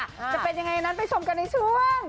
จะเป็นยังไงนั้นไปชมกันในช่วง